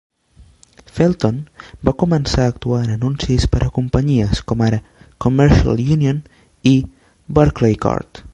Felton va començar a actuar en anuncis per a companyies com ara Commercial Union i Barclaycard.